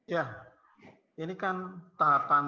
ya ini kan tahapan